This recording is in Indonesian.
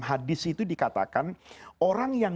hadis itu dikatakan orang yang